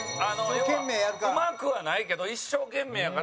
うまくはないけど一生懸命やから。